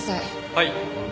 はい。